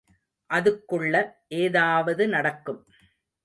அதுக்குள்ள ஏதாவது நடக்கும்.